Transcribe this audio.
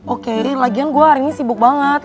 oke ini lagian gue hari ini sibuk banget